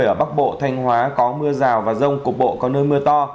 ở bắc bộ thanh hóa có mưa rào và rông cục bộ có nơi mưa to